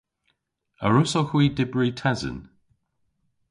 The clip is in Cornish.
A wrussowgh hwi dybri tesen?